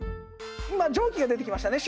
今蒸気が出てきましたね